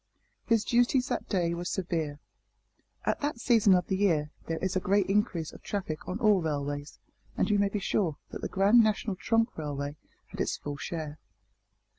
His duties that day were severe. At that season of the year there is a great increase of traffic on all railways, and you may be sure that the Grand National Trunk Railway had its full share.